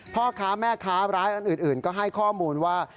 พ่อค้าแม่ค้ารายอื่นก็ให้ข้อมูลว่า